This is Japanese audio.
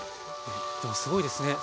でもすごいですね。